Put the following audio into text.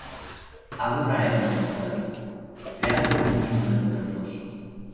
Abu Raed lo consuela, creando un vínculo entre los dos.